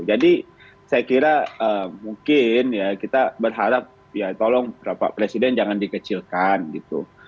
jadi saya kira mungkin ya kita berharap ya tolong bapak presiden jangan dikecilkan gitu